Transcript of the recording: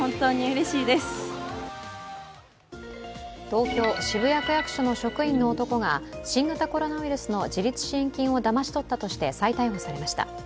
東京・渋谷区役所の職員の男が新型コロナウイルスの自立支援金をだまし取ったとして再逮捕されました。